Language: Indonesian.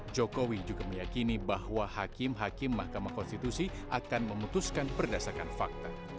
jokowi juga meyakini bahwa hakim hakim mahkamah konstitusi akan memutuskan berdasarkan fakta